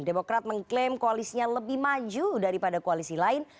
demokrat mengklaim koalisinya lebih maju daripada koalisi lain